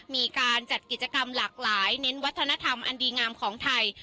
มีการจัดกิจกรรมหลากหลายเน้นวัฒนธรรมอันดีงามของไทย